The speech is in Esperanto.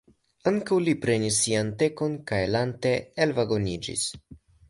Ankaŭ li prenis sian tekon, kaj lante elvagoniĝis.